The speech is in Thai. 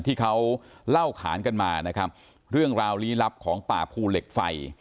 ที่เขาเล่าขานกันมานะครับเรื่องราวลี้ลับของป่าภูเหล็กไฟ